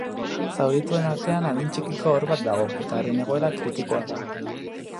Zaurituen artean adin txikiko haur bat dago, eta haren egoera kritikoa da.